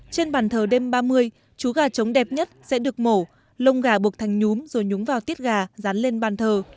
trên bàn thờ đêm ba mươi chú gà trống đẹp nhất sẽ được mổ lông gà bộc thành nhúm rồi nhúng vào tiết gà rán lên bàn thờ